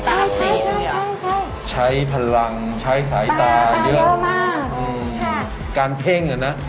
ใช้ใช้พลังใช้สายตาเยอะมากอืมค่ะการเพ่งอ่ะนะ